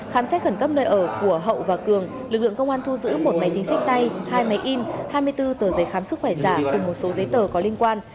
khám xét khẩn cấp nơi ở của hậu và cường lực lượng công an thu giữ một máy tính sách tay hai máy in hai mươi bốn tờ giấy khám sức khỏe giả cùng một số giấy tờ có liên quan